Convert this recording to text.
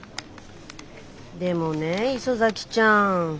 でもね磯崎ちゃん。